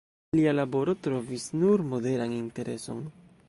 Lia laboro trovis nur moderan intereson.